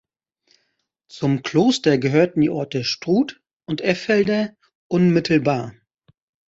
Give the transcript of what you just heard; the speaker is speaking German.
Zum Kloster gehörten die Orte Struth und Effelder unmittelbar.